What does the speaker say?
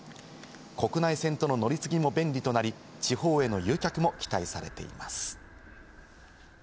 国内線との乗り継ぎも便利となり、地方への誘客も期待されています。